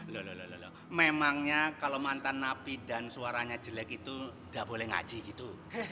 lho lho lho memangnya kalau mantan napi dan suaranya jelek itu gak boleh ngaji gitu